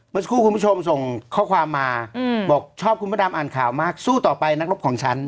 เมื่อสักครู่คุณผู้ชมส่งข้อความมาบอกชอบคุณพระดำอ่านข่าวมากสู้ต่อไปนักรบของฉัน